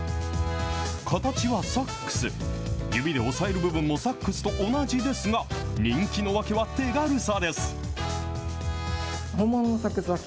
形はサックス、指で押さえる部分も同じですが、人気の訳は手軽さです。